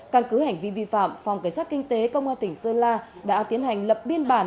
căn cứ hành vi vi phạm phòng cảnh sát kinh tế công an tỉnh sơn la đã tiến hành lập biên bản